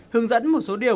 hướng dẫn một số điều